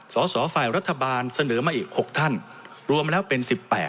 สสฝ่ายรัฐบาลเสนอมาอีก๖ท่านรวมแล้วเป็น๑๘